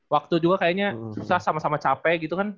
waktu juga kayaknya susah sama sama capek gitu kan